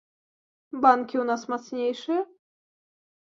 Банкі ў нас мацнейшыя?